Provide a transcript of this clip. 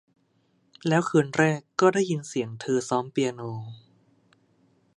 แล้วคืนแรกก็ได้ยินเสียงเธอซ้อมเปียโน